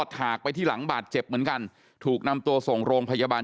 ถากไปที่หลังบาดเจ็บเหมือนกันถูกนำตัวส่งโรงพยาบาล